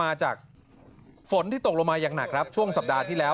มาจากฝนที่ตกลงมาอย่างหนักครับช่วงสัปดาห์ที่แล้ว